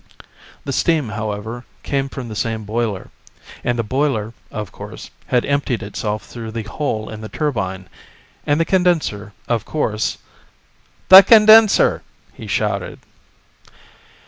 The steam, however, came from the same boiler. And the boiler, of course, had emptied itself through the hole in the turbine. And the condenser, of course "The condenser!" he shouted.